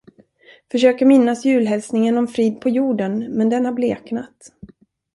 Försöker minnas julhälsningen om frid på jorden, men den har bleknat.